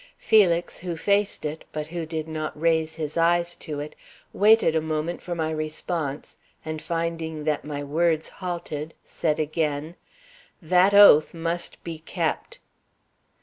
Felix, who faced it, but who did not raise his eyes to it, waited a moment for my response, and finding that my words halted, said again: "That oath must be kept!"